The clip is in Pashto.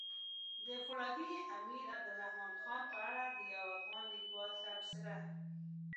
د فولادي امير عبدالرحمن خان په اړه د يو افغان ليکوال تبصره!